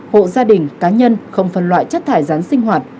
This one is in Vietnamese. hộ gia đình cá nhân không phân loại chất thải rán sinh hoạt